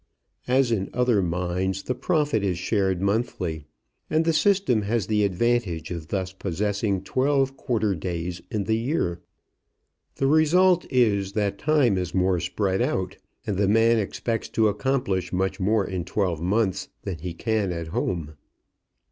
As in other mines, the profit is shared monthly, and the system has the advantage of thus possessing twelve quarter days in the year. The result is, that time is more spread out, and the man expects to accomplish much more in twelve months than he can at home.